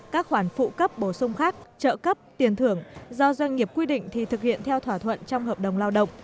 các khoản phụ cấp bổ sung khác trợ cấp tiền thưởng do doanh nghiệp quy định thì thực hiện theo thỏa thuận trong hợp đồng lao động